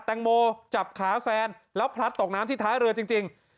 แตงโมจับขาแฟนแล้วพลัดตกน้ำที่ท้ายเรือจริง